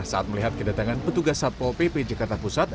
saat melihat kedatangan petugas satpol pp jakarta pusat